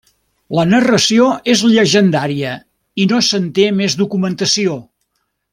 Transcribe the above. La narració és llegendària i no se'n té més documentació.